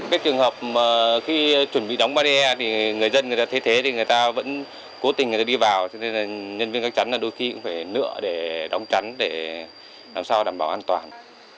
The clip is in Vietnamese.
các trường hợp khi chuẩn bị đóng bá đe người dân thế thế thì người ta vẫn cố tình đi vào nhân viên các chắn đôi khi cũng phải nựa để đóng chắn để làm sao đảm bảo an toàn